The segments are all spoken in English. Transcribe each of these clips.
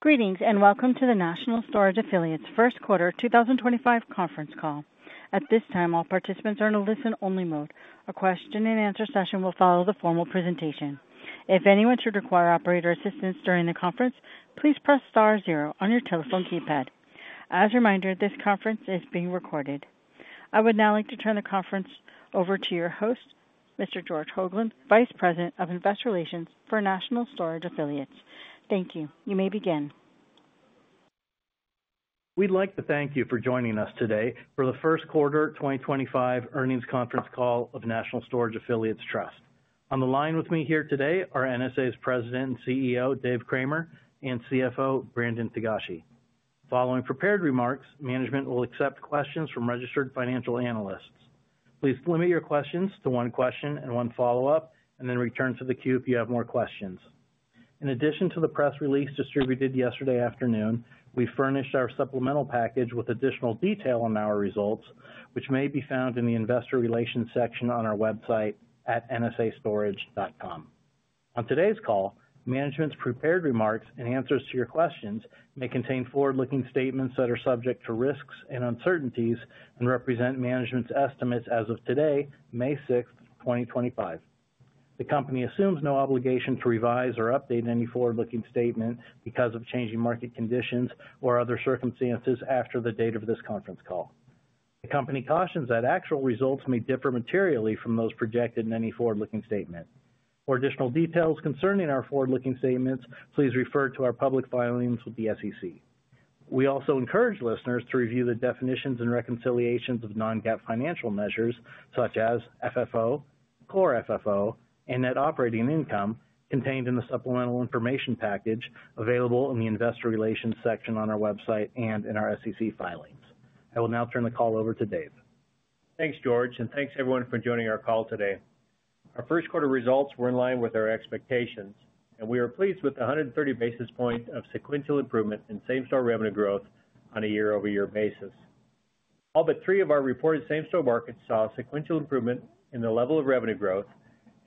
Greetings and welcome to the National Storage Affiliates Trust First Quarter 2025 conference call. At this time, all participants are in a listen-only mode. A question-and-answer session will follow the formal presentation. If anyone should require operator assistance during the conference, please press star zero on your telephone keypad. As a reminder, this conference is being recorded. I would now like to turn the conference over to your host, Mr. George Hoglund, Vice President of iInvestor relations for National Storage Affiliates. Thank you. You may begin. We'd like to thank you for joining us today for the First Quarter 2025 Earnings Conference Call of National Storage Affiliates Trust. On the line with me here today are NSA's President and CEO, Dave Cramer, and CFO, Brandon Togashi. Following prepared remarks, management will accept questions from registered financial analysts. Please limit your questions to one question and one follow-up, and then return to the queue if you have more questions. In addition to the press release distributed yesterday afternoon, we furnished our supplemental package with additional detail on our results, which may be found in the investor relations section on our website at nsastorage.com. On today's call, management's prepared remarks and answers to your questions may contain forward-looking statements that are subject to risks and uncertainties and represent management's estimates as of today, May 6th, 2025. The company assumes no obligation to revise or update any forward-looking statement because of changing market conditions or other circumstances after the date of this conference call. The company cautions that actual results may differ materially from those projected in any forward-looking statement. For additional details concerning our forward-looking statements, please refer to our public filings with the SEC. We also encourage listeners to review the definitions and reconciliations of non-GAAP financial measures such as FFO, core FFO, and net operating income contained in the supplemental information package available in the investor relations section on our website and in our SEC filings. I will now turn the call over to Dave. Thanks, George, and thanks everyone for joining our call today. Our first quarter results were in line with our expectations, and we are pleased with the 130 basis points of sequential improvement in same-store revenue growth on a year-over-year basis. All but three of our reported same-store markets saw sequential improvement in the level of revenue growth,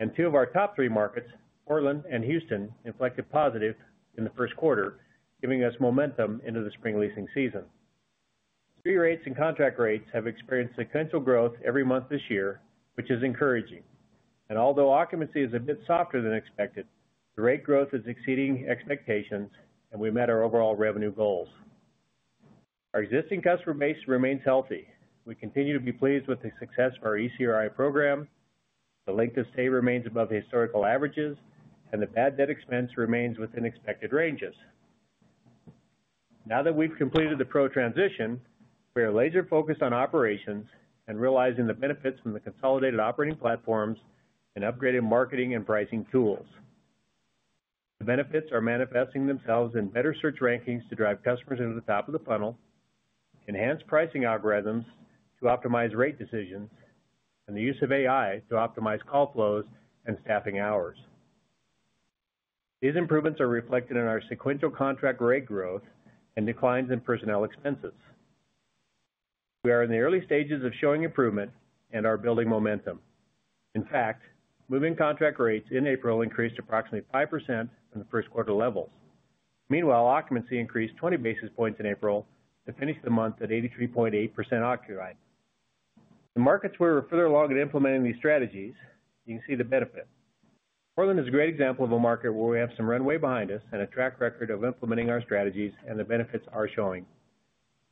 and two of our top three markets, Portland and Houston, inflected positive in the first quarter, giving us momentum into the spring leasing season. Street rates and contract rates have experienced sequential growth every month this year, which is encouraging. Although occupancy is a bit softer than expected, the rate growth is exceeding expectations, and we met our overall revenue goals. Our existing customer base remains healthy. We continue to be pleased with the success of our ECRI program. The length of stay remains above historical averages, and the bad debt expense remains within expected ranges. Now that we've completed the pro transition, we are laser-focused on operations and realizing the benefits from the consolidated operating platforms and upgraded marketing and pricing tools. The benefits are manifesting themselves in better search rankings to drive customers into the top of the funnel, enhanced pricing algorithms to optimize rate decisions, and the use of AI to optimize call flows and staffing hours. These improvements are reflected in our sequential contract rate growth and declines in personnel expenses. We are in the early stages of showing improvement and are building momentum. In fact, moving contract rates in April increased approximately 5% from the first quarter levels. Meanwhile, occupancy increased 20 basis points in April to finish the month at 83.8% occupied. The markets where we're further along in implementing these strategies, you can see the benefit. Portland is a great example of a market where we have some runway behind us and a track record of implementing our strategies, and the benefits are showing.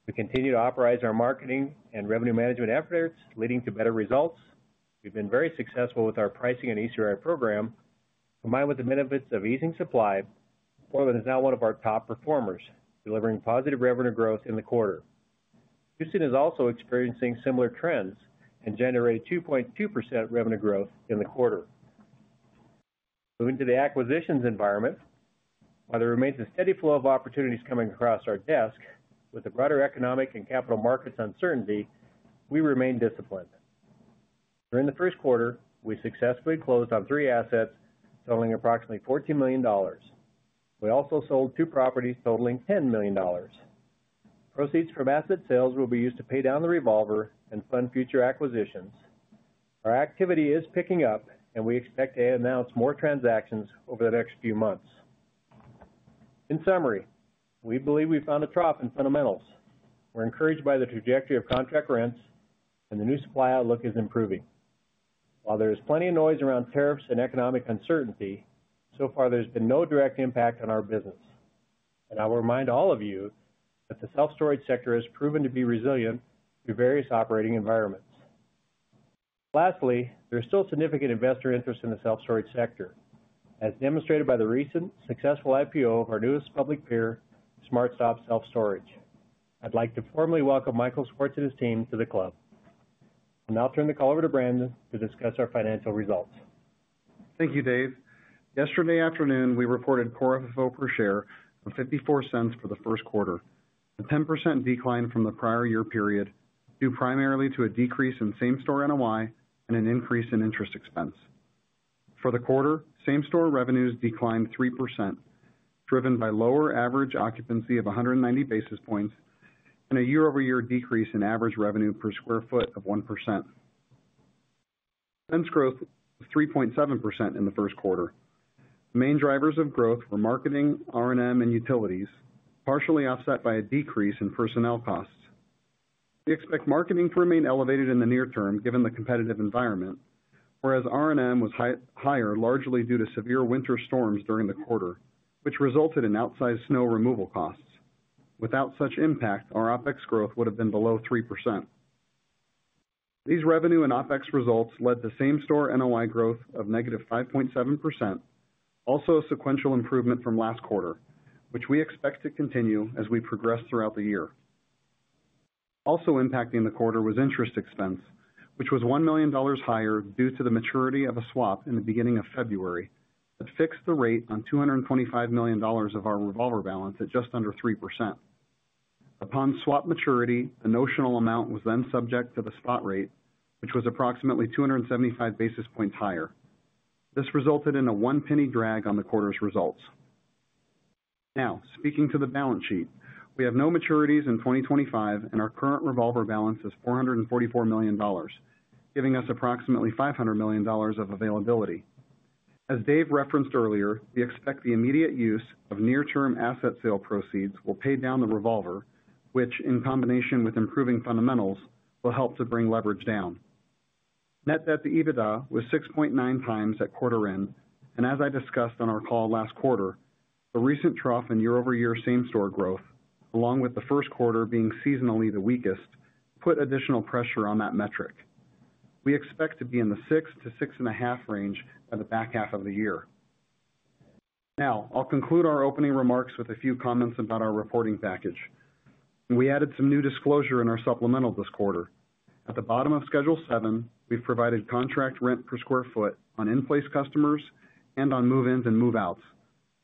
We continue to operate our marketing and revenue management efforts, leading to better results. We've been very successful with our pricing and ECRI program, combined with the benefits of easing supply. Portland is now one of our top performers, delivering positive revenue growth in the quarter. Houston is also experiencing similar trends and generated 2.2% revenue growth in the quarter. Moving to the acquisitions environment, while there remains a steady flow of opportunities coming across our desk, with the broader economic and capital markets uncertainty, we remain disciplined. During the first quarter, we successfully closed on three assets totaling approximately $14 million. We also sold two properties totaling $10 million. Proceeds from asset sales will be used to pay down the revolver and fund future acquisitions. Our activity is picking up, and we expect to announce more transactions over the next few months. In summary, we believe we found a trough in fundamentals. We're encouraged by the trajectory of contract rents, and the new supply outlook is improving. While there is plenty of noise around tariffs and economic uncertainty, so far there's been no direct impact on our business. I will remind all of you that the self storage sector has proven to be resilient through various operating environments. Lastly, there is still significant investor interest in the self storage sector, as demonstrated by the recent successful IPO of our newest public pair, SmartStop Self Storage. I'd like to formally welcome Michael Schwartz and his team to the club. I'll now turn the call over to Brandon to discuss our financial results. Thank you, Dave. Yesterday afternoon, we reported core FFO per share of $0.54 for the first quarter, a 10% decline from the prior year period due primarily to a decrease in same-store NOI and an increase in interest expense. For the quarter, same-store revenues declined 3%, driven by lower average occupancy of 190 basis points and a year-over-year decrease in average revenue per sq ft of 1%. Dense growth of 3.7% in the first quarter. The main drivers of growth were marketing, R&M, and utilities, partially offset by a decrease in personnel costs. We expect marketing to remain elevated in the near term given the competitive environment, whereas R&M was higher largely due to severe winter storms during the quarter, which resulted in outsized snow removal costs. Without such impact, our OpEx growth would have been below 3%. These revenue and OpEx results led to same-store NOI growth of negative 5.7%, also a sequential improvement from last quarter, which we expect to continue as we progress throughout the year. Also impacting the quarter was interest expense, which was $1 million higher due to the maturity of a swap in the beginning of February that fixed the rate on $225 million of our revolver balance at just under 3%. Upon swap maturity, the notional amount was then subject to the spot rate, which was approximately 275 basis points higher. This resulted in a one penny drag on the quarter's results. Now, speaking to the balance sheet, we have no maturities in 2025, and our current revolver balance is $444 million, giving us approximately $500 million of availability. As Dave referenced earlier, we expect the immediate use of near-term asset sale proceeds will pay down the revolver, which, in combination with improving fundamentals, will help to bring leverage down. Net debt to EBITDA was 6.9 times at quarter end, and as I discussed on our call last quarter, the recent trough in year-over-year same-store growth, along with the first quarter being seasonally the weakest, put additional pressure on that metric. We expect to be in the six-6.5 range by the back half of the year. Now, I'll conclude our opening remarks with a few comments about our reporting package. We added some new disclosure in our supplemental this quarter. At the bottom of schedule seven, we've provided contract rent per sq ft on in-place customers and on move-ins and move-outs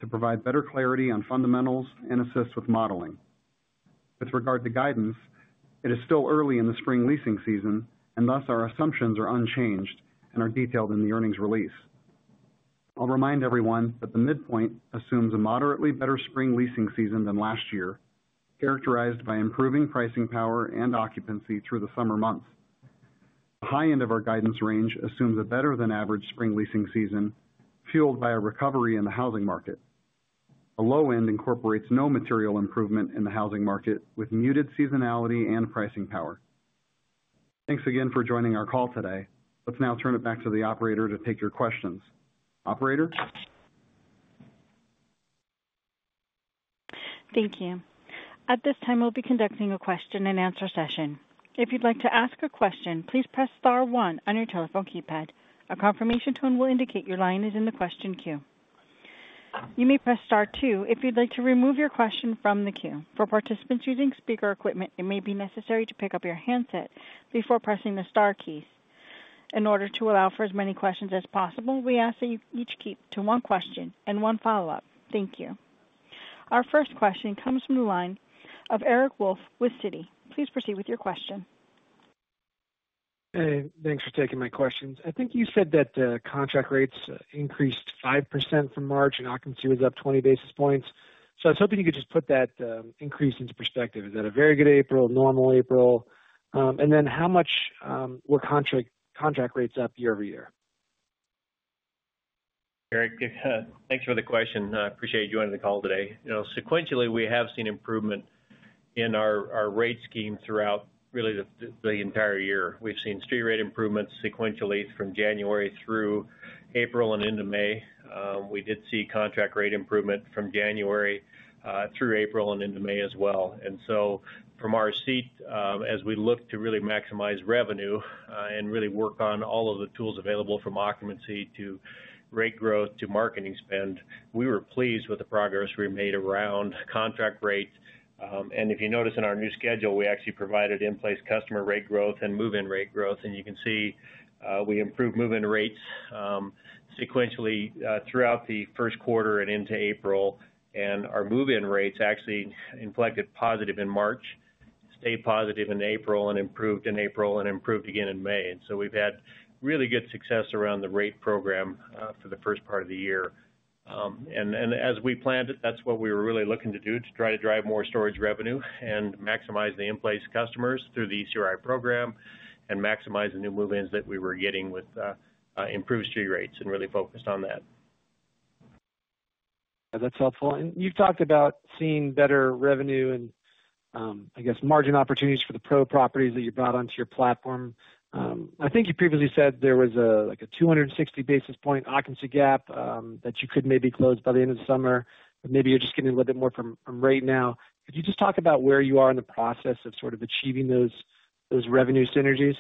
to provide better clarity on fundamentals and assist with modeling. With regard to guidance, it is still early in the spring leasing season, and thus our assumptions are unchanged and are detailed in the earnings release. I'll remind everyone that the midpoint assumes a moderately better spring leasing season than last year, characterized by improving pricing power and occupancy through the summer months. The high end of our guidance range assumes a better-than-average spring leasing season, fueled by a recovery in the housing market. The low end incorporates no material improvement in the housing market, with muted seasonality and pricing power. Thanks again for joining our call today. Let's now turn it back to the operator to take your questions. Operator. Thank you. At this time, we'll be conducting a question and answer session. If you'd like to ask a question, please press star one on your telephone keypad. A confirmation tone will indicate your line is in the question queue. You may press star two if you'd like to remove your question from the queue. For participants using speaker equipment, it may be necessary to pick up your handset before pressing the star keys. In order to allow for as many questions as possible, we ask that you each keep to one question and one follow-up. Thank you. Our first question comes from the line of Eric Wolfe with Citi. Please proceed with your question. Hey, thanks for taking my questions. I think you said that contract rates increased 5% from March and occupancy was up 20 basis points. I was hoping you could just put that increase into perspective. Is that a very good April, normal April? How much were contract rates up year-over-year? Eric, thanks for the question. I appreciate you joining the call today. You know, sequentially, we have seen improvement in our rate scheme throughout really the entire year. We've seen street rate improvements sequentially from January through April and into May. We did see contract rate improvement from January through April and into May as well. From our seat, as we look to really maximize revenue and really work on all of the tools available from occupancy to rate growth to marketing spend, we were pleased with the progress we made around contract rates. If you notice in our new schedule, we actually provided in-place customer rate growth and move-in rate growth. You can see we improved move-in rates sequentially throughout the first quarter and into April. Our move-in rates actually inflected positive in March, stayed positive in April, and improved in April, and improved again in May. We have had really good success around the rate program for the first part of the year. As we planned it, that is what we were really looking to do, to try to drive more storage revenue and maximize the in-place customers through the ECRI program and maximize the new move-ins that we were getting with improved street rates and really focused on that. That's helpful. You've talked about seeing better revenue and, I guess, margin opportunities for the pro properties that you brought onto your platform. I think you previously said there was like a 260 basis point occupancy gap that you could maybe close by the end of the summer. Maybe you're just getting a little bit more from right now. Could you just talk about where you are in the process of sort of achieving those revenue synergies?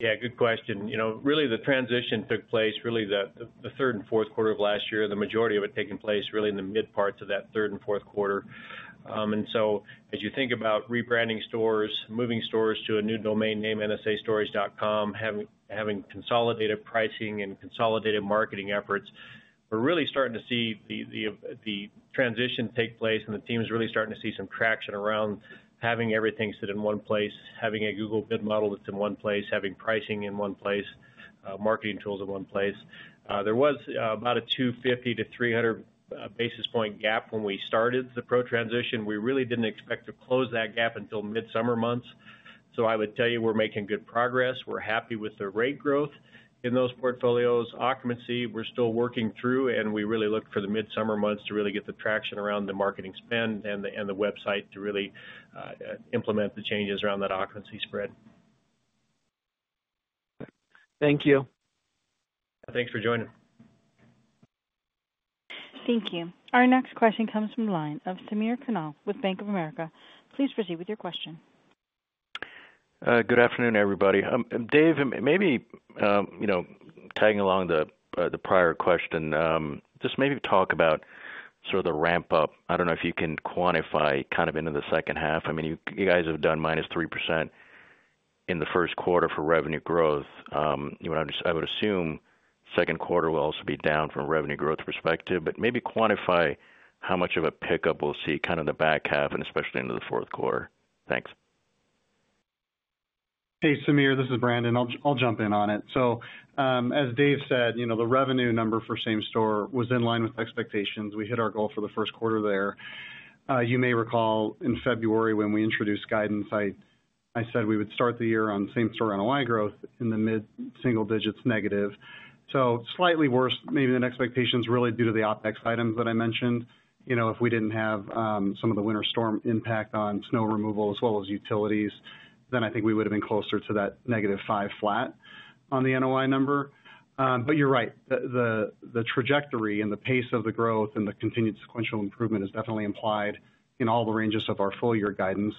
Yeah, good question. You know, really the transition took place really the third and fourth quarter of last year. The majority of it taking place really in the mid parts of that third and fourth quarter. As you think about rebranding stores, moving stores to a new domain name, nsastorage.com, having consolidated pricing and consolidated marketing efforts, we're really starting to see the transition take place, and the team's really starting to see some traction around having everything sit in one place, having a Google bid model that's in one place, having pricing in one place, marketing tools in one place. There was about a 250-300 basis point gap when we started the pro transition. We really didn't expect to close that gap until mid-summer months. I would tell you we're making good progress. We're happy with the rate growth in those portfolios. Occupancy, we're still working through, and we really look for the mid-summer months to really get the traction around the marketing spend and the website to really implement the changes around that occupancy spread. Thank you. Thanks for joining. Thank you. Our next question comes from the line of Samir Khanal with Bank of America. Please proceed with your question. Good afternoon, everybody. Dave, maybe, you know, tagging along the prior question, just maybe talk about sort of the ramp-up. I don't know if you can quantify kind of into the second half. I mean, you guys have done -3% in the first quarter for revenue growth. You know, I would assume second quarter will also be down from a revenue growth perspective, but maybe quantify how much of a pickup we'll see kind of the back half, and especially into the fourth quarter. Thanks. Hey, Samir, this is Brandon. I'll jump in on it. As Dave said, you know, the revenue number for same store was in line with expectations. We hit our goal for the first quarter there. You may recall in February when we introduced guidance, I said we would start the year on same store NOI growth in the mid single digits negative. Slightly worse, maybe, than expectations, really due to the OpEx items that I mentioned. You know, if we did not have some of the winter storm impact on snow removal as well as utilities, then I think we would have been closer to that negative five flat on the NOI number. You're right, the trajectory and the pace of the growth and the continued sequential improvement is definitely implied in all the ranges of our full year guidance.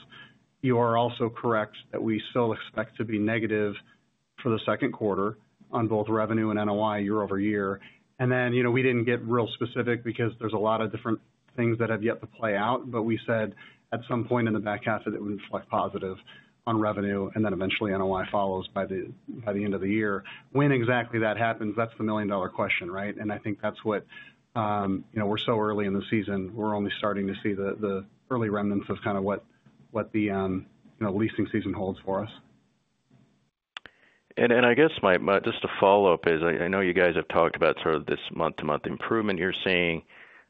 You are also correct that we still expect to be negative for the second quarter on both revenue and NOI year-over-year. You know, we did not get real specific because there are a lot of different things that have yet to play out, but we said at some point in the back half that it would reflect positive on revenue, and then eventually NOI follows by the end of the year. When exactly that happens, that's the million-dollar question, right? I think that's what, you know, we're so early in the season, we're only starting to see the early remnants of kind of what the leasing season holds for us. I guess just a follow-up is, I know you guys have talked about sort of this month-to-month improvement you're seeing.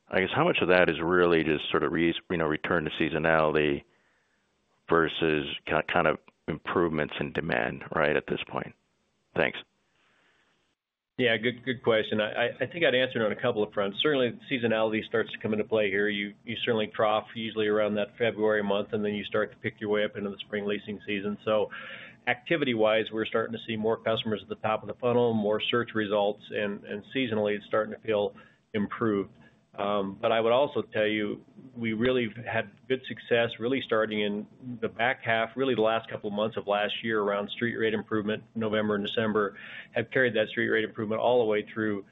I guess how much of that is really just sort of return to seasonality versus kind of improvements in demand, right, at this point? Thanks. Yeah, good question. I think I'd answer it on a couple of fronts. Certainly, seasonality starts to come into play here. You certainly trough usually around that February month, and then you start to pick your way up into the spring leasing season. Activity-wise, we're starting to see more customers at the top of the funnel, more search results, and seasonally it's starting to feel improved. I would also tell you we really had good success really starting in the back half, really the last couple of months of last year around street rate improvement. November and December have carried that street rate improvement all the way through,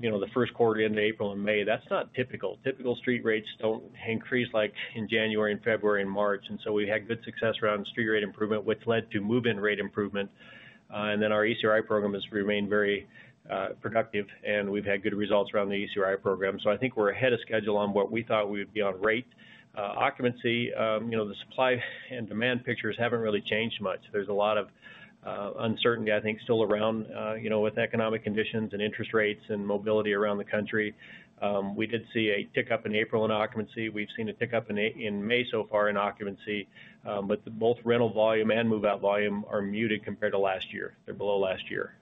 you know, the first quarter into April and May. That's not typical. Typical street rates don't increase like in January, February, and March. We had good success around street rate improvement, which led to move-in rate improvement. Our ECRI program has remained very productive, and we've had good results around the ECRI program. I think we're ahead of schedule on what we thought we would be on rate. Occupancy, you know, the supply and demand pictures haven't really changed much. There's a lot of uncertainty, I think, still around, you know, with economic conditions and interest rates and mobility around the country. We did see a tick up in April in occupancy. We've seen a tick up in May so far in occupancy, but both rental volume and move-out volume are muted compared to last year. They're below last year.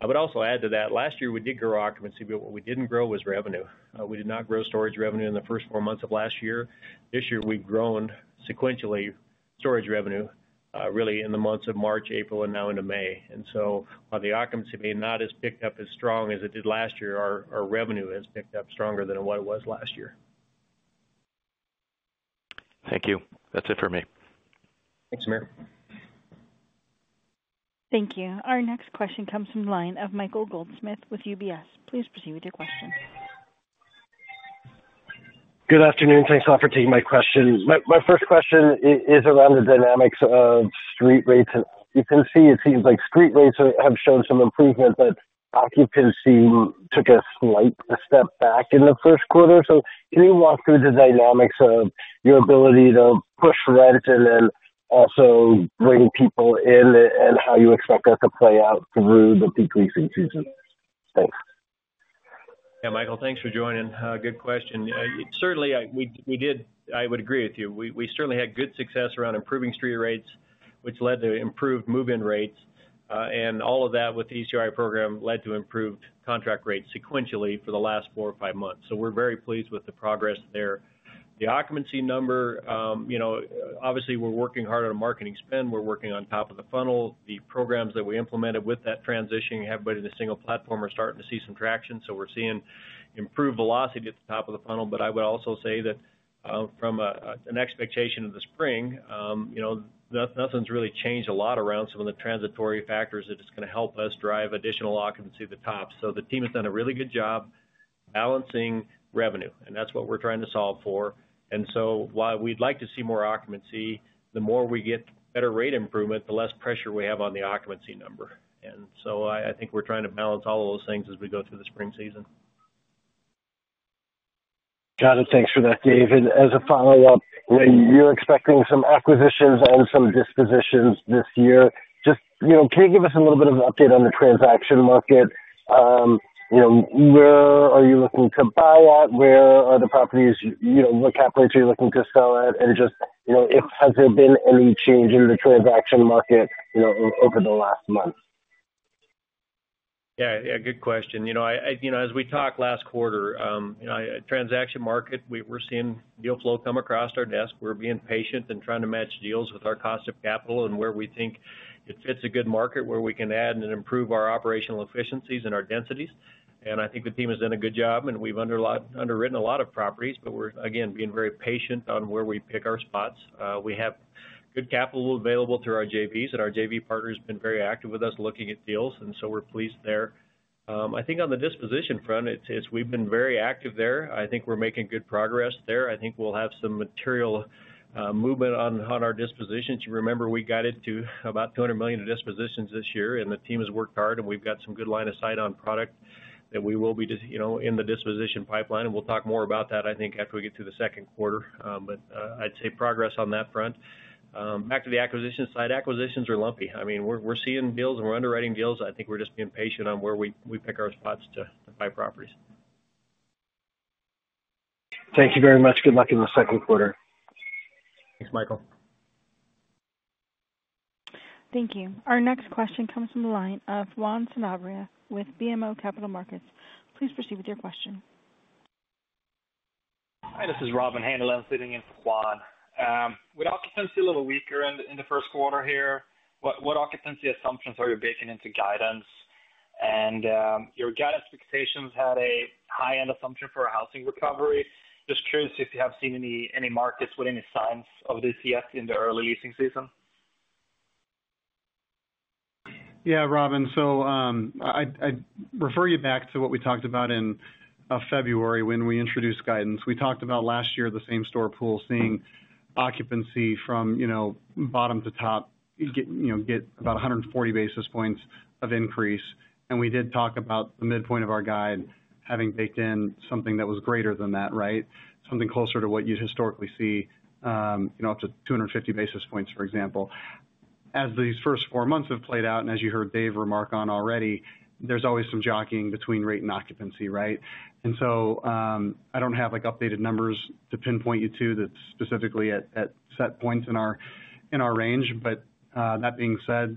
I would also add to that, last year we did grow occupancy, but what we didn't grow was revenue. We did not grow storage revenue in the first four months of last year. This year we've grown sequentially storage revenue really in the months of March, April, and now into May. While the occupancy may not have picked up as strong as it did last year, our revenue has picked up stronger than what it was last year. Thank you. That's it for me. Thanks, Samir. Thank you. Our next question comes from the line of Michael Goldsmith with UBS. Please proceed with your question. Good afternoon. Thanks a lot for taking my question. My first question is around the dynamics of street rates. You can see it seems like street rates have shown some improvement, but occupancy took a slight step back in the first quarter. Can you walk through the dynamics of your ability to push rents and then also bring people in and how you expect that to play out through the decreasing season? Thanks. Yeah, Michael, thanks for joining. Good question. Certainly, we did, I would agree with you. We certainly had good success around improving street rates, which led to improved move-in rates. All of that with the ECRI program led to improved contract rates sequentially for the last four or five months. We are very pleased with the progress there. The occupancy number, you know, obviously we are working hard on marketing spend. We are working on top of the funnel. The programs that we implemented with that transition, everybody in the single platform, are starting to see some traction. We are seeing improved velocity at the top of the funnel. I would also say that from an expectation of the spring, you know, nothing has really changed a lot around some of the transitory factors that are going to help us drive additional occupancy to the top. The team has done a really good job balancing revenue, and that's what we're trying to solve for. And while we'd like to see more occupancy, the more we get better rate improvement, the less pressure we have on the occupancy number. I think we're trying to balance all of those things as we go through the spring season. Got it. Thanks for that, Dave. As a follow-up, you're expecting some acquisitions and some dispositions this year. Just, you know, can you give us a little bit of an update on the transaction market? You know, where are you looking to buy at? Where are the properties, you know, what cap rates are you looking to sell at? Just, you know, has there been any change in the transaction market, you know, over the last month? Yeah, yeah, good question. You know, as we talked last quarter, you know, transaction market, we're seeing deal flow come across our desk. We're being patient and trying to match deals with our cost of capital and where we think it fits a good market where we can add and improve our operational efficiencies and our densities. I think the team has done a good job, and we've underwritten a lot of properties, but we're, again, being very patient on where we pick our spots. We have good capital available through our JVs, and our JV partner has been very active with us looking at deals, and we're pleased there. I think on the disposition front, we've been very active there. I think we're making good progress there. I think we'll have some material movement on our dispositions. You remember we got it to about $200 million in dispositions this year, and the team has worked hard, and we've got some good line of sight on product that we will be, you know, in the disposition pipeline. We'll talk more about that, I think, after we get through the second quarter. I'd say progress on that front. Back to the acquisition side, acquisitions are lumpy. I mean, we're seeing deals and we're underwriting deals. I think we're just being patient on where we pick our spots to buy properties. Thank you very much. Good luck in the second quarter. Thanks, Michael. Thank you. Our next question comes from the line of Juan Sanabria with BMO Capital Markets. Please proceed with your question. Hi, this is Robin Haneland sitting in for Juan. With occupancy a little weaker in the first quarter here, what occupancy assumptions are you baking into guidance? Your guidance fixations had a high-end assumption for a housing recovery. Just curious if you have seen any markets with any signs of this yet in the early leasing season. Yeah, Robin. I refer you back to what we talked about in February when we introduced guidance. We talked about last year the same store pool seeing occupancy from, you know, bottom to top, you know, get about 140 basis points of increase. We did talk about the midpoint of our guide having baked in something that was greater than that, right? Something closer to what you historically see, you know, up to 250 basis points, for example. As these first four months have played out, and as you heard Dave remark on already, there's always some jockeying between rate and occupancy, right? I don't have like updated numbers to pinpoint you to that specifically at set points in our range. That being said,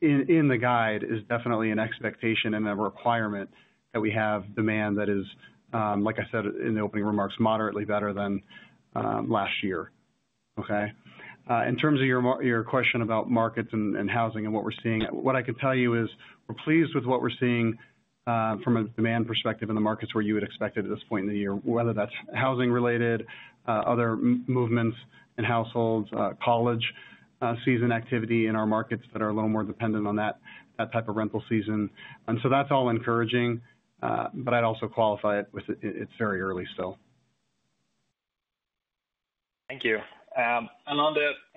in the guide is definitely an expectation and a requirement that we have demand that is, like I said in the opening remarks, moderately better than last year. Okay? In terms of your question about markets and housing and what we're seeing, what I can tell you is we're pleased with what we're seeing from a demand perspective in the markets where you would expect it at this point in the year, whether that's housing related, other movements in households, college season activity in our markets that are a little more dependent on that type of rental season. That's all encouraging, but I'd also qualify it with it's very early still. Thank you. On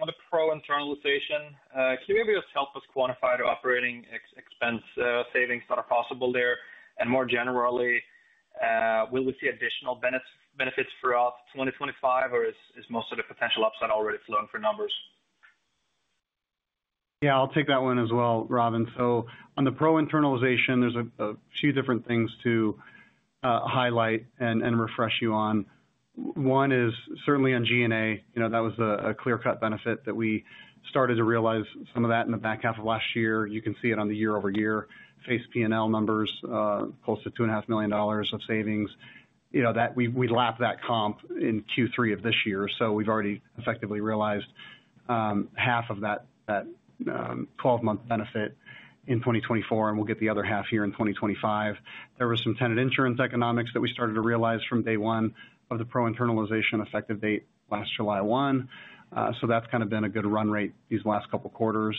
the pro internalization, can you maybe just help us quantify the operating expense savings that are possible there? More generally, will we see additional benefits throughout 2025, or is most of the potential upside already flowing for numbers? Yeah, I'll take that one as well, Robin. On the pro internalization, there's a few different things to highlight and refresh you on. One is certainly on G&A. You know, that was a clear-cut benefit that we started to realize some of that in the back half of last year. You can see it on the year-over-year face P&L numbers, close to $2.5 million of savings. You know, that we lapped that comp in Q3 of this year. We've already effectively realized half of that 12-month benefit in 2024, and we'll get the other half here in 2025. There were some tenant insurance economics that we started to realize from day one of the pro internalization effective date last July 1. That's kind of been a good run rate these last couple of quarters,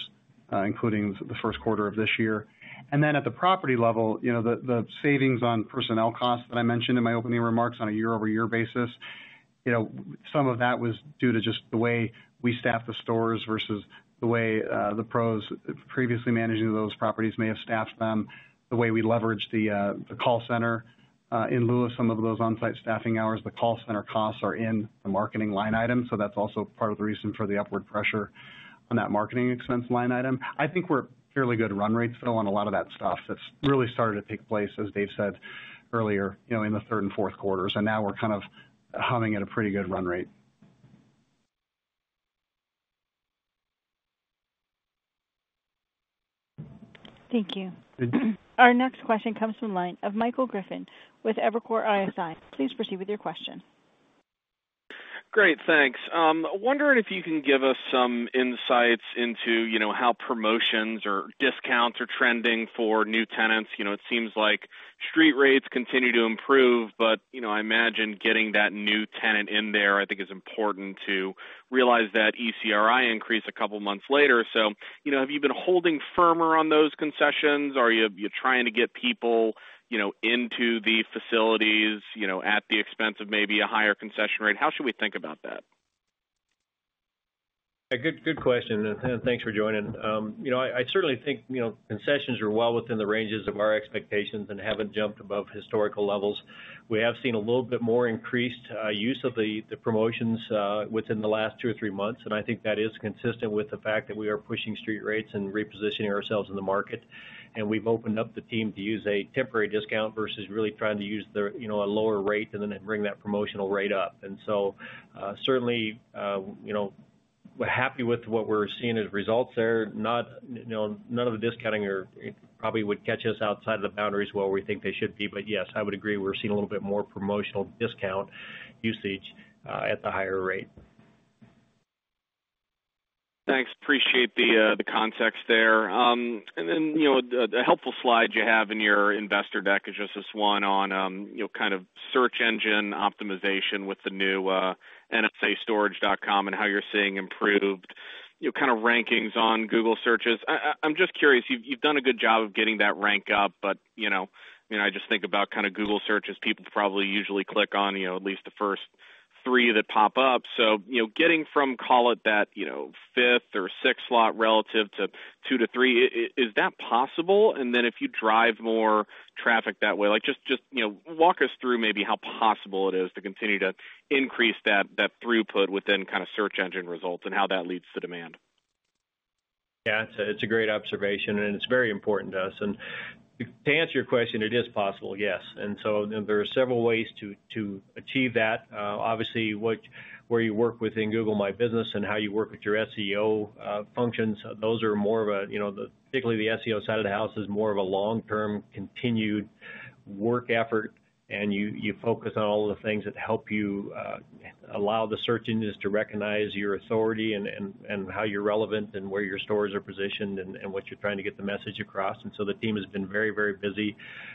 including the first quarter of this year. At the property level, you know, the savings on personnel costs that I mentioned in my opening remarks on a year-over-year basis, you know, some of that was due to just the way we staff the stores versus the way the pros previously managing those properties may have staffed them, the way we leverage the call center. In lieu of some of those on-site staffing hours, the call center costs are in the marketing line item. That is also part of the reason for the upward pressure on that marketing expense line item. I think we are fairly good run rates though on a lot of that stuff that has really started to take place, as Dave said earlier, you know, in the third and fourth quarters. Now we are kind of humming at a pretty good run rate. Thank you. Our next question comes from the line of Michael Griffin with Evercore ISI. Please proceed with your question. Great, thanks. I'm wondering if you can give us some insights into, you know, how promotions or discounts are trending for new tenants. You know, it seems like street rates continue to improve, but, you know, I imagine getting that new tenant in there I think is important to realize that ECRI increase a couple of months later. So, you know, have you been holding firmer on those concessions? Are you trying to get people, you know, into the facilities, you know, at the expense of maybe a higher concession rate? How should we think about that? Good question. And thanks for joining. You know, I certainly think, you know, concessions are well within the ranges of our expectations and have not jumped above historical levels. We have seen a little bit more increased use of the promotions within the last two or three months. I think that is consistent with the fact that we are pushing street rates and repositioning ourselves in the market. We have opened up the team to use a temporary discount versus really trying to use the, you know, a lower rate and then bring that promotional rate up. Certainly, you know, we are happy with what we are seeing as results there. Not, you know, none of the discounting probably would catch us outside of the boundaries where we think they should be. Yes, I would agree we are seeing a little bit more promotional discount usage at the higher rate. Thanks. Appreciate the context there. And then, you know, a helpful slide you have in your investor deck is just this one on, you know, kind of search engine optimization with the new nsastorage.com and how you're seeing improved, you know, kind of rankings on Google searches. I'm just curious, you've done a good job of getting that rank up, but, you know, I mean, I just think about kind of Google searches people probably usually click on, you know, at least the first three that pop up. So, you know, getting from, call it that, you know, fifth or sixth slot relative to two to three, is that possible? And then if you drive more traffic that way, like just, you know, walk us through maybe how possible it is to continue to increase that throughput within kind of search engine results and how that leads to demand. Yeah, it's a great observation, and it's very important to us. To answer your question, it is possible, yes. There are several ways to achieve that. Obviously, where you work within Google my business and how you work with your SEO functions, those are more of a, you know, particularly the SEO side of the house is more of a long-term continued work effort. You focus on all the things that help you allow the search engines to recognize your authority and how you're relevant and where your stores are positioned and what you're trying to get the message across. The team has been very, very busy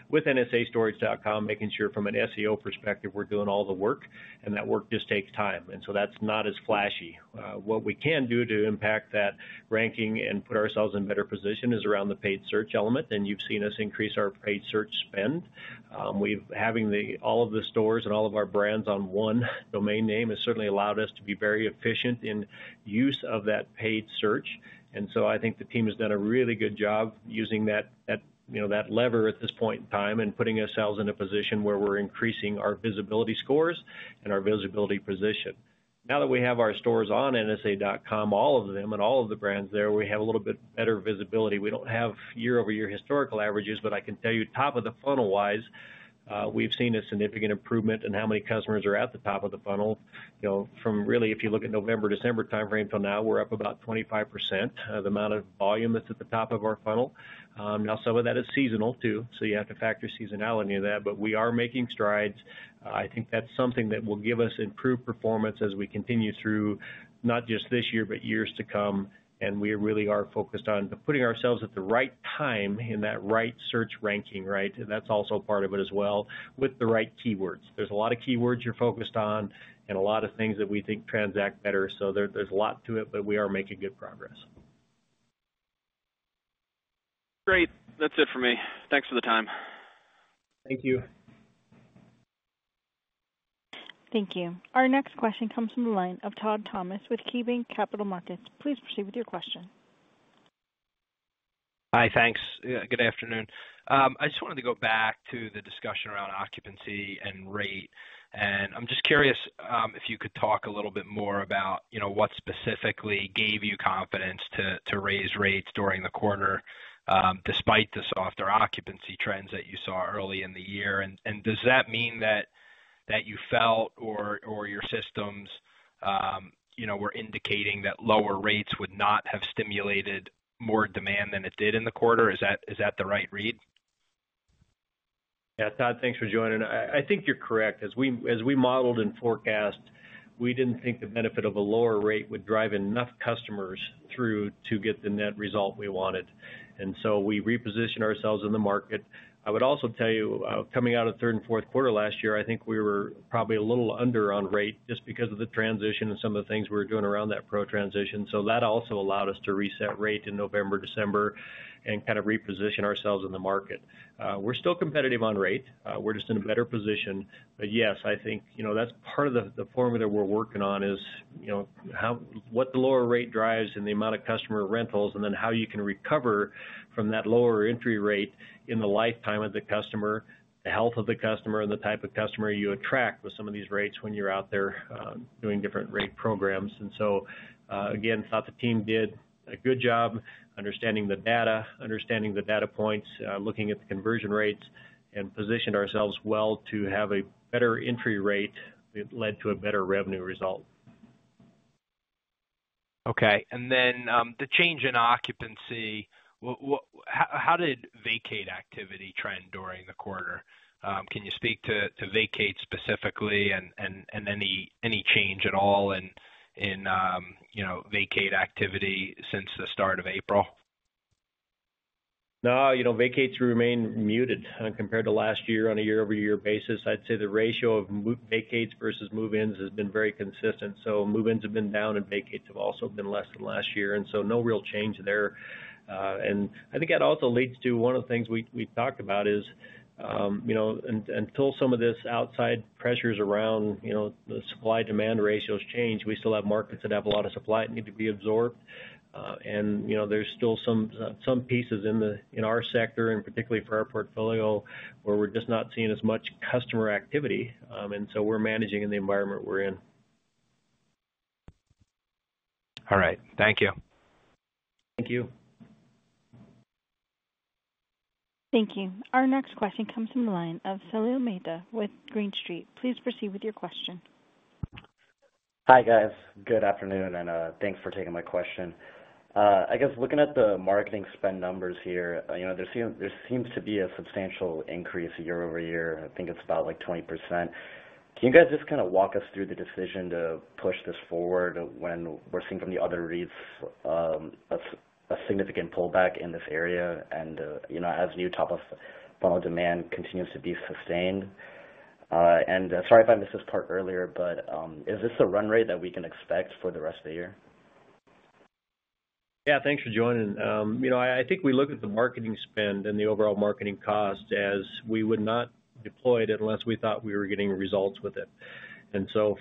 with nsastorage.com, making sure from an SEO perspective we're doing all the work, and that work just takes time. That's not as flashy. What we can do to impact that ranking and put ourselves in better position is around the paid search element. You've seen us increase our paid search spend. Having all of the stores and all of our brands on one domain name has certainly allowed us to be very efficient in use of that paid search. I think the team has done a really good job using that, you know, that lever at this point in time and putting ourselves in a position where we're increasing our visibility scores and our visibility position. Now that we have our stores on nsa.com, all of them and all of the brands there, we have a little bit better visibility. We don't have year-over-year historical averages, but I can tell you top of the funnel wise, we've seen a significant improvement in how many customers are at the top of the funnel. You know, from really, if you look at November, December timeframe till now, we're up about 25% of the amount of volume that's at the top of our funnel. Now, some of that is seasonal too, so you have to factor seasonality into that, but we are making strides. I think that's something that will give us improved performance as we continue through not just this year, but years to come. We really are focused on putting ourselves at the right time in that right search ranking, right? That's also part of it as well with the right keywords. There's a lot of keywords you're focused on and a lot of things that we think transact better. There is a lot to it, but we are making good progress. Great. That's it for me. Thanks for the time. Thank you. Thank you. Our next question comes from the line of Todd Thomas with KeyBanc Capital Markets. Please proceed with your question. Hi, thanks. Good afternoon. I just wanted to go back to the discussion around occupancy and rate. I'm just curious if you could talk a little bit more about, you know, what specifically gave you confidence to raise rates during the quarter despite the softer occupancy trends that you saw early in the year. Does that mean that you felt or your systems, you know, were indicating that lower rates would not have stimulated more demand than it did in the quarter? Is that the right read? Yeah, Todd, thanks for joining. I think you're correct. As we modeled and forecast, we didn't think the benefit of a lower rate would drive enough customers through to get the net result we wanted. We repositioned ourselves in the market. I would also tell you, coming out of third and fourth quarter last year, I think we were probably a little under on rate just because of the transition and some of the things we were doing around that pro transition. That also allowed us to reset rate in November, December and kind of reposition ourselves in the market. We're still competitive on rate. We're just in a better position. Yes, I think, you know, that's part of the formula we're working on is, you know, what the lower rate drives and the amount of customer rentals and then how you can recover from that lower entry rate in the lifetime of the customer, the health of the customer and the type of customer you attract with some of these rates when you're out there doing different rate programs. Again, thought the team did a good job understanding the data, understanding the data points, looking at the conversion rates and positioned ourselves well to have a better entry rate that led to a better revenue result. Okay. And then the change in occupancy, how did vacate activity trend during the quarter? Can you speak to vacate specifically and any change at all in, you know, vacate activity since the start of April? No, you know, vacates remain muted compared to last year on a year-over-year basis. I'd say the ratio of vacates versus move-ins has been very consistent. Move-ins have been down and vacates have also been less than last year. No real change there. I think that also leads to one of the things we talked about is, you know, until some of this outside pressures around, you know, the supply-demand ratios change, we still have markets that have a lot of supply that need to be absorbed. You know, there's still some pieces in our sector and particularly for our portfolio where we're just not seeing as much customer activity. We are managing in the environment we're in. All right. Thank you. Thank you. Thank you. Our next question comes from the line of Salil Mehta with Green Street. Please proceed with your question. Hi guys. Good afternoon and thanks for taking my question. I guess looking at the marketing spend numbers here, you know, there seems to be a substantial increase year-over-year. I think it's about like 20%. Can you guys just kind of walk us through the decision to push this forward when we're seeing from the other REITs a significant pullback in this area and, you know, as new top of funnel demand continues to be sustained? And sorry if I missed this part earlier, but is this the run rate that we can expect for the rest of the year? Yeah, thanks for joining. You know, I think we look at the marketing spend and the overall marketing cost as we would not deploy it unless we thought we were getting results with it.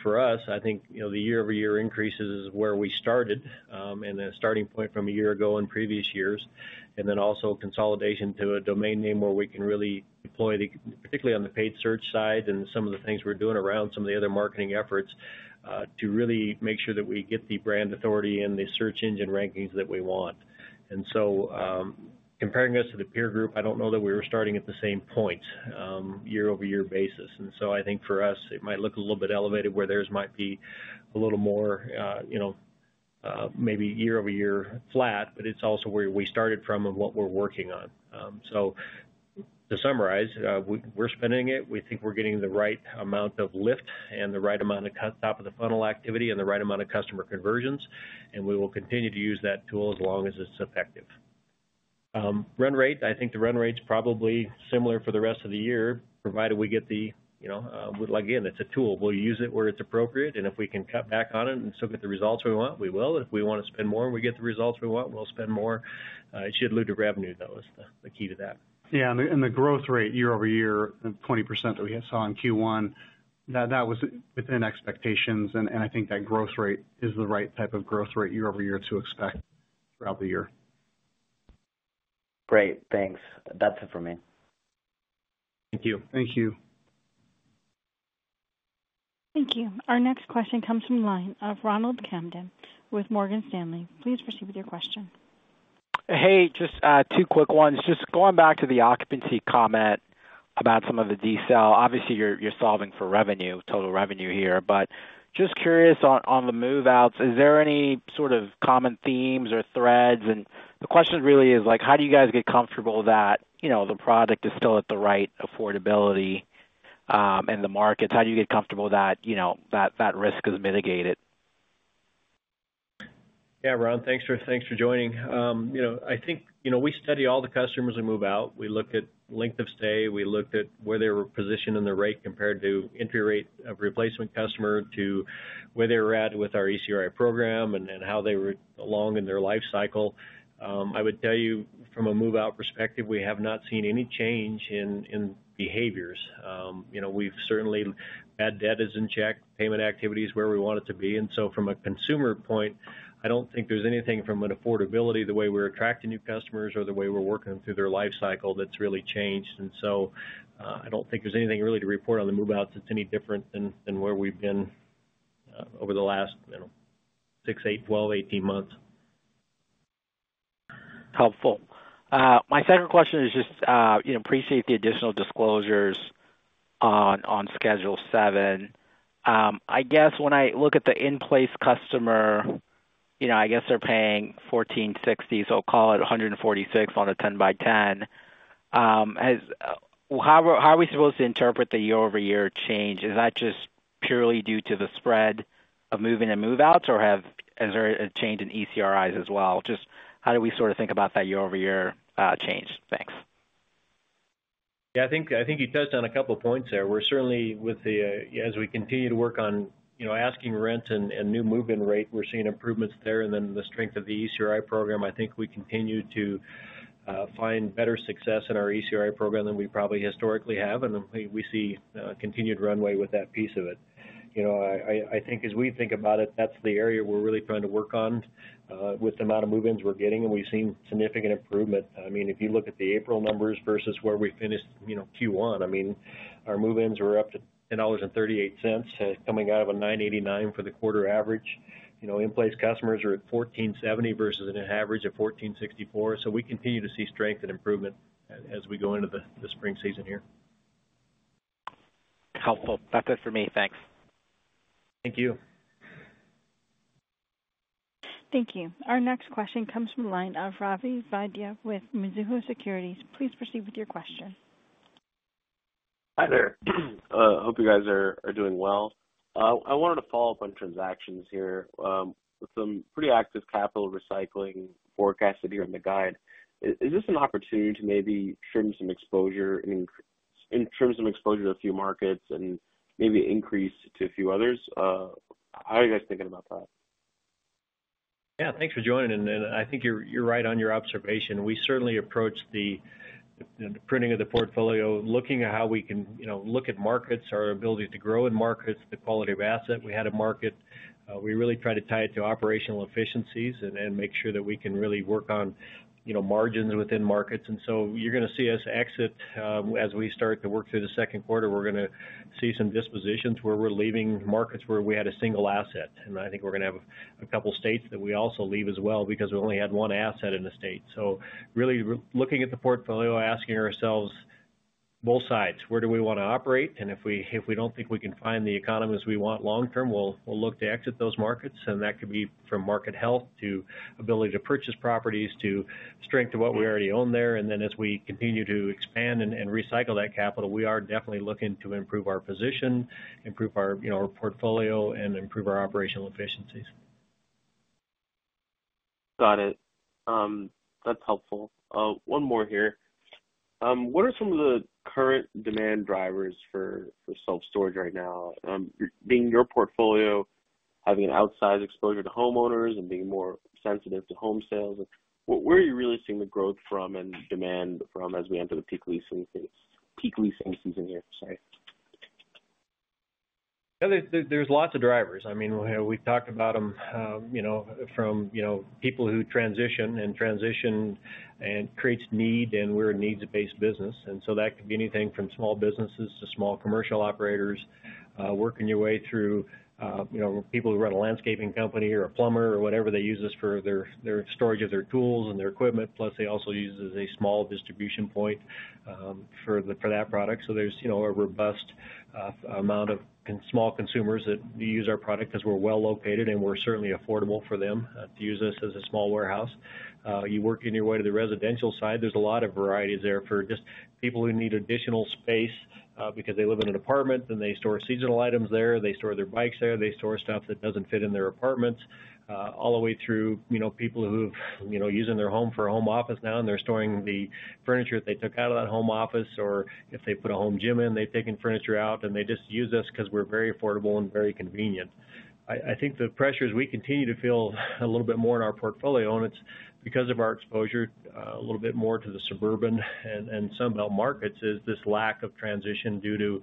For us, I think, you know, the year-over-year increases is where we started and the starting point from a year ago in previous years. Also, consolidation to a domain name where we can really deploy the, particularly on the paid search side and some of the things we're doing around some of the other marketing efforts to really make sure that we get the brand authority and the search engine rankings that we want. Comparing us to the peer group, I don't know that we were starting at the same point year-over-year basis. I think for us it might look a little bit elevated where theirs might be a little more, you know, maybe year-over-year flat, but it's also where we started from and what we're working on. To summarize, we're spending it. We think we're getting the right amount of lift and the right amount of top of the funnel activity and the right amount of customer conversions. We will continue to use that tool as long as it's effective. Run rate, I think the run rate's probably similar for the rest of the year, provided we get the, you know, again, it's a tool. We'll use it where it's appropriate. If we can cut back on it and still get the results we want, we will. If we want to spend more and we get the results we want, we'll spend more. It should lead to revenue, though, is the key to that. Yeah. The growth rate year-over-year, the 20% that we saw in Q1, that was within expectations. I think that growth rate is the right type of growth rate year-over-year to expect throughout the year. Great. Thanks. That's it for me. Thank you. Thank you. Thank you. Our next question comes from the line of Ronald Kamdem with Morgan Stanley. Please proceed with your question. Hey, just two quick ones. Just going back to the occupancy comment about some of the DCEL, obviously you're solving for revenue, total revenue here, but just curious on the move-outs, is there any sort of common themes or threads? The question really is like, how do you guys get comfortable that, you know, the product is still at the right affordability in the markets? How do you get comfortable that, you know, that risk is mitigated? Yeah, Ron, thanks for joining. You know, I think, you know, we study all the customers who move out. We look at length of stay. We looked at where they were positioned in the rate compared to entry rate of replacement customer to where they were at with our ECRI program and how they were along in their life cycle. I would tell you from a move-out perspective, we have not seen any change in behaviors. You know, we've certainly had debt is in check, payment activities where we want it to be. From a consumer point, I don't think there's anything from an affordability, the way we're attracting new customers or the way we're working through their life cycle that's really changed. I don't think there's anything really to report on the move-outs that's any different than where we've been over the last, you know, six, eight, 12, 18 months. Helpful. My second question is just, you know, appreciate the additional disclosures on schedule seven. I guess when I look at the in-place customer, you know, I guess they're paying $1,460, so call it $146 on a 10 by 10. How are we supposed to interpret the year-over-year change? Is that just purely due to the spread of move-in and move-outs or has there a change in ECRI as well? Just how do we sort of think about that year-over-year change? Thanks. Yeah, I think you touched on a couple of points there. We're certainly with the, as we continue to work on, you know, asking rents and new move-in rate, we're seeing improvements there. And then the strength of the ECRI program, I think we continue to find better success in our ECRI program than we probably historically have. And we see continued runway with that piece of it. You know, I think as we think about it, that's the area we're really trying to work on with the amount of move-ins we're getting. And we've seen significant improvement. I mean, if you look at the April numbers versus where we finished, you know, Q1, I mean, our move-ins were up to $10.38 coming out of a 9.89 for the quarter average. You know, in-place customers are at 1,470 versus an average of 1,464. We continue to see strength and improvement as we go into the spring season here. Helpful. That's it for me. Thanks. Thank you. Thank you. Our next question comes from the line of Ravi Vaidya with Mizuho Securities. Please proceed with your question. Hi there. I hope you guys are doing well. I wanted to follow up on transactions here. Some pretty active capital recycling forecasted here in the guide. Is this an opportunity to maybe trim some exposure in terms of exposure to a few markets and maybe increase to a few others? How are you guys thinking about that? Yeah, thanks for joining. I think you're right on your observation. We certainly approached the pruning of the portfolio looking at how we can, you know, look at markets, our ability to grow in markets, the quality of asset. We had a market. We really tried to tie it to operational efficiencies and make sure that we can really work on, you know, margins within markets. You're going to see us exit as we start to work through the second quarter. We're going to see some dispositions where we're leaving markets where we had a single asset. I think we're going to have a couple of states that we also leave as well because we only had one asset in the state. Really looking at the portfolio, asking ourselves both sides, where do we want to operate? If we don't think we can find the economies we want long term, we'll look to exit those markets. That could be from market health to ability to purchase properties to strength to what we already own there. As we continue to expand and recycle that capital, we are definitely looking to improve our position, improve our portfolio, and improve our operational efficiencies. Got it. That's helpful. One more here. What are some of the current demand drivers for self storage right now? Being your portfolio, having an outsized exposure to homeowners and being more sensitive to home sales, where are you really seeing the growth from and demand from as we enter the peak leasing season here? Sorry. Yeah, there's lots of drivers. I mean, we talked about them, you know, from, you know, people who transition and transition and creates need and we're a needs-based business. That could be anything from small businesses to small commercial operators, working your way through, you know, people who run a landscaping company or a plumber or whatever, they use this for their storage of their tools and their equipment. Plus, they also use it as a small distribution point for that product. There's, you know, a robust amount of small consumers that use our product because we're well located and we're certainly affordable for them to use us as a small warehouse. You work in your way to the residential side. There's a lot of varieties there for just people who need additional space because they live in an apartment and they store seasonal items there. They store their bikes there. They store stuff that doesn't fit in their apartments all the way through, you know, people who have, you know, using their home for a home office now and they're storing the furniture that they took out of that home office or if they put a home gym in, they've taken furniture out and they just use us because we're very affordable and very convenient. I think the pressure is we continue to feel a little bit more in our portfolio and it's because of our exposure a little bit more to the suburban and some of our markets is this lack of transition due to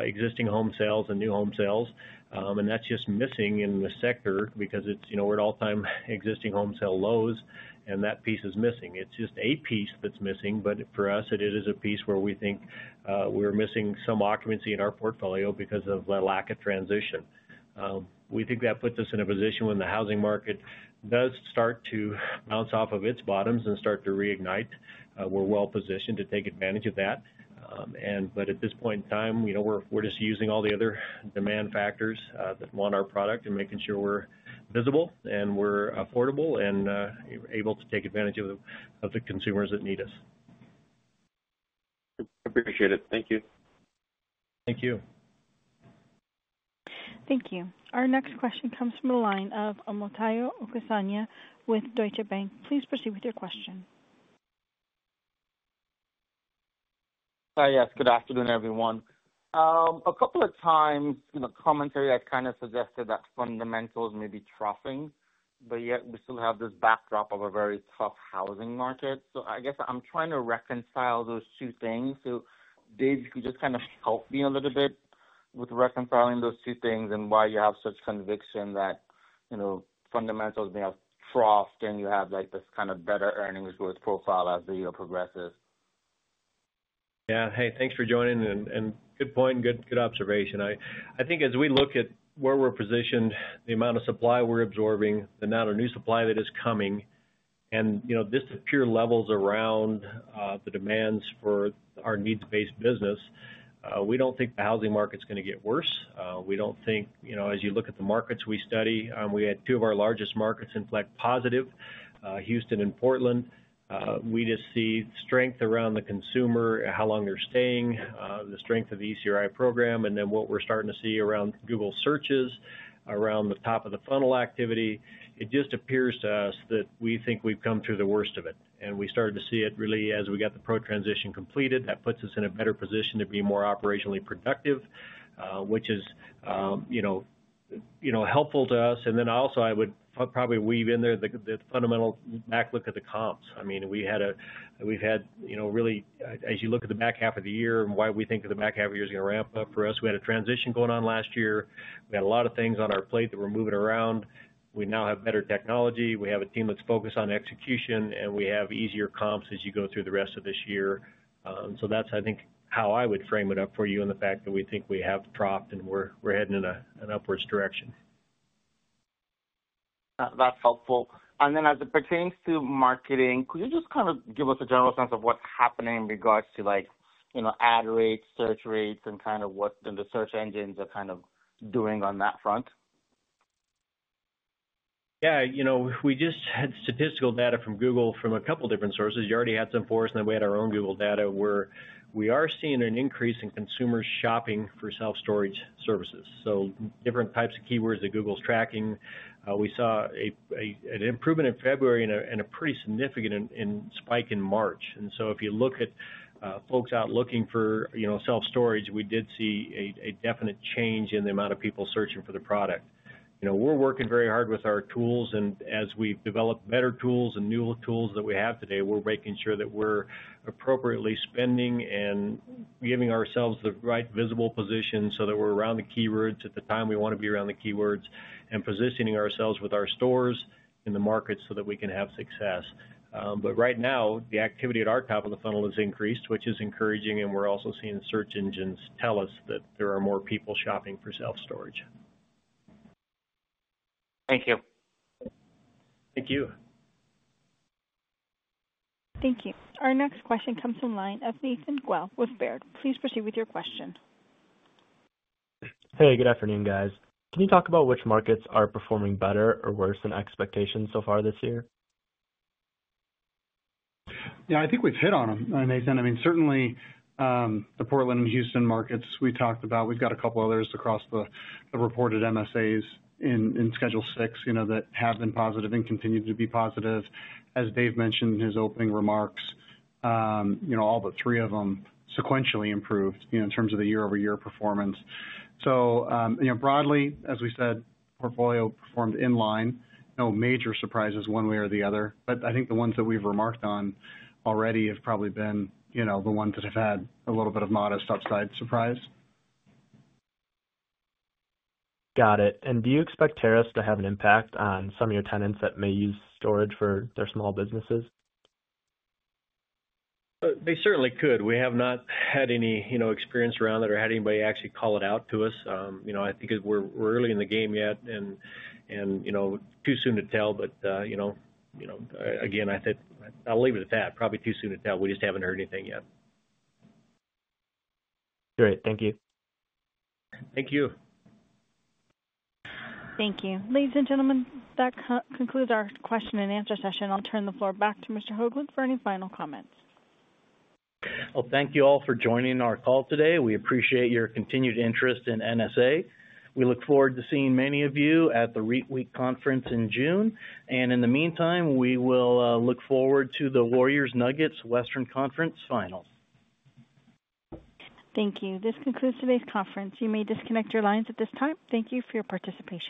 existing home sales and new home sales. That is just missing in the sector because it's, you know, we're at all-time existing home sale lows and that piece is missing. It's just a piece that's missing, but for us it is a piece where we think we're missing some occupancy in our portfolio because of the lack of transition. We think that puts us in a position when the housing market does start to bounce off of its bottoms and start to reignite, we're well positioned to take advantage of that. At this point in time, you know, we're just using all the other demand factors that want our product and making sure we're visible and we're affordable and able to take advantage of the consumers that need us. Appreciate it. Thank you. Thank you. Thank you. Our next question comes from the line of Omotayo Okusanya with Deutsche Bank. Please proceed with your question. Hi, yes. Good afternoon, everyone. A couple of times in the commentary, I kind of suggested that fundamentals may be troughing, but yet we still have this backdrop of a very tough housing market. I guess I'm trying to reconcile those two things. Dave, if you could just kind of help me a little bit with reconciling those two things and why you have such conviction that, you know, fundamentals may have troughed and you have like this kind of better earnings growth profile as the year progresses. Yeah. Hey, thanks for joining and good point, good observation. I think as we look at where we're positioned, the amount of supply we're absorbing, the amount of new supply that is coming, and, you know, just the pure levels around the demands for our needs-based business, we don't think the housing market's going to get worse. We don't think, you know, as you look at the markets we study, we had two of our largest markets inflect positive, Houston and Portland. We just see strength around the consumer, how long they're staying, the strength of the ECRI program, and then what we're starting to see around Google searches, around the top of the funnel activity. It just appears to us that we think we've come through the worst of it. We started to see it really as we got the pro transition completed. That puts us in a better position to be more operationally productive, which is, you know, helpful to us. I would probably weave in there the fundamental backlook of the comps. I mean, we had a, we've had, you know, really, as you look at the back half of the year and why we think the back half of the year is going to ramp up for us. We had a transition going on last year. We had a lot of things on our plate that were moving around. We now have better technology. We have a team that's focused on execution and we have easier comps as you go through the rest of this year. That's, I think, how I would frame it up for you and the fact that we think we have troughed and we're heading in an upwards direction. That's helpful. As it pertains to marketing, could you just kind of give us a general sense of what's happening in regards to, like, you know, ad rates, search rates, and kind of what the search engines are kind of doing on that front? Yeah, you know, we just had statistical data from Google from a couple of different sources. You already had some for us and then we had our own Google data where we are seeing an increase in consumers shopping for self-storage services. Different types of keywords that Google's tracking. We saw an improvement in February and a pretty significant spike in March. If you look at folks out looking for, you know, self-storage, we did see a definite change in the amount of people searching for the product. You know, we're working very hard with our tools and as we've developed better tools and newer tools that we have today, we're making sure that we're appropriately spending and giving ourselves the right visible position so that we're around the keywords at the time we want to be around the keywords and positioning ourselves with our stores in the markets so that we can have success. Right now, the activity at our top of the funnel has increased, which is encouraging, and we're also seeing search engines tell us that there are more people shopping for self storage. Thank you. Thank you. Thank you. Our next question comes from the line of Nathan Well with Baird. Please proceed with your question. Hey, good afternoon, guys. Can you talk about which markets are performing better or worse than expectations so far this year? Yeah, I think we've hit on them, Nathan. I mean, certainly the Portland and Houston markets we talked about. We've got a couple of others across the reported MSAs in schedule six, you know, that have been positive and continue to be positive. As Dave mentioned in his opening remarks, you know, all the three of them sequentially improved, you know, in terms of the year-over-year performance. You know, broadly, as we said, portfolio performed in line, no major surprises one way or the other. I think the ones that we've remarked on already have probably been, you know, the ones that have had a little bit of modest upside surprise. Got it. Do you expect tariffs to have an impact on some of your tenants that may use storage for their small businesses? They certainly could. We have not had any, you know, experience around that or had anybody actually call it out to us. You know, I think we're early in the game yet and, you know, too soon to tell. You know, again, I think I'll leave it at that. Probably too soon to tell. We just haven't heard anything yet. Great. Thank you. Thank you. Thank you. Ladies and gentlemen, that concludes our question and answer session. I'll turn the floor back to Mr. Hoglund for any final comments. Thank you all for joining our call today. We appreciate your continued interest in NSA. We look forward to seeing many of you at the REIT Week Conference in June. In the meantime, we will look forward to the Warriors-Nuggets Western Conference Final. Thank you. This concludes today's conference. You may disconnect your lines at this time. Thank you for your participation.